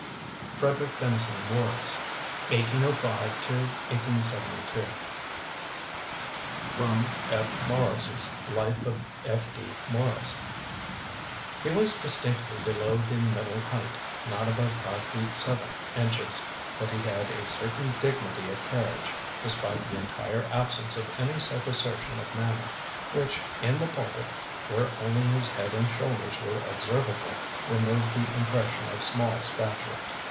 FREDERICK DENISON MAURICE 1805 1872 [Sidenote: F. Maurice's Life of F. D. Maurice.] "He was distinctly below the middle height, not above five feet seven inches, but he had a certain dignity of carriage, despite the entire absence of any self assertion of manner, which in the pulpit, where only his head and shoulders were observable, removed the impression of small stature....